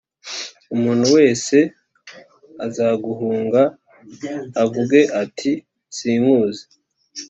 Umuntu wese azaguhunga avuge ati sinkuzi